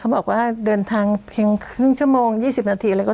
บอกว่าเดินทางเพียงครึ่งชั่วโมง๒๐นาทีอะไรก็